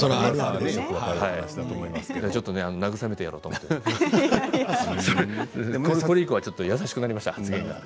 ちょっと慰めてやろうと思って、それ以降は優しくなりました発言が。